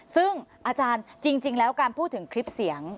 ซึ่งอาจารย์จริงแล้วการพูดถึงคลิปเสียง